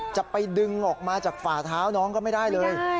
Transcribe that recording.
จะไปดึงออกมาจากฝ่าเท้าน้องก็ไม่ได้เลย